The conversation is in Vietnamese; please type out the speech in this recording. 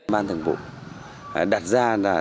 ban thường vụ đặt ra là